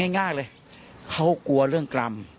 ง่ายเลยเขากลัวเรื่องกรรม